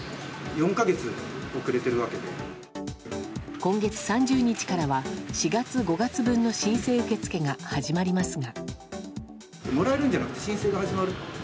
今月３０日からは４月、５月分の申請受け付けが始まりますが。